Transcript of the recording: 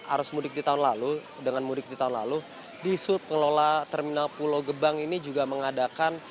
arus mudik di tahun lalu dengan mudik di tahun lalu di sub pengelola terminal pulau gebang ini juga mengadakan